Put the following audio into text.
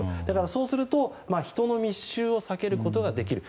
そうすると、人の密集を避けることができる。